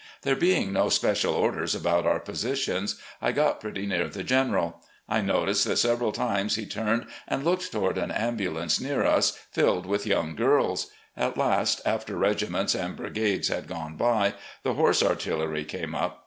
There being no special orders about our positions, I got pretty near the General. I noticed that several times he turned and looked toward an ambulance near us, filled THE IDOL OF THE SOUTH 201 with young girls. At last, after regiments and brigades had gone by, the Horse Artillery came up.